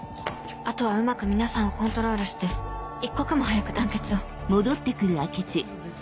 あとはうまく皆さんをコントロールして一刻も早く団結を